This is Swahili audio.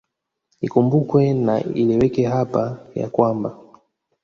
Ikumbukwe na ieleweke hapa ya kwamba